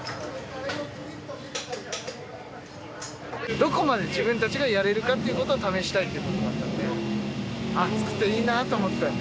どこまで自分たちがやれるかっていうことを試したいっていうことだったんで熱くていいなと思って。